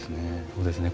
そうですね